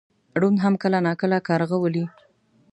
ړوند هم کله ناکله کارغه ولي .